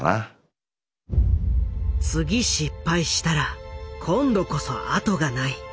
「次失敗したら今度こそ後がない」。